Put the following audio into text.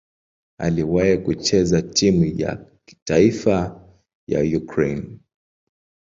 Aliwahi kucheza timu ya taifa ya Ukraine.